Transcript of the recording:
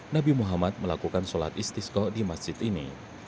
nabi muhammad melakukan sholat istiskoh di masjid ini